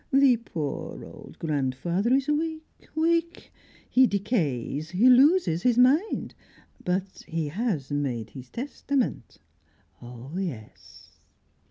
The poor old grandfather is weak, weak; he decays, he loses his mind; but he has made his testament, oh yes!"